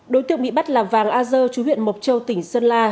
đối tượng bị bắt là vàng a dơ chú huyện mộc châu tỉnh sơn la